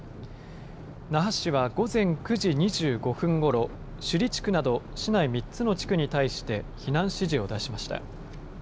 那覇市は午前９時２５分ごろ、首里地区など市内３つの地区に対して避難指示を出しました。